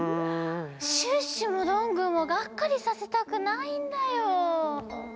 シュッシュもどんぐーもガッカリさせたくないんだよ。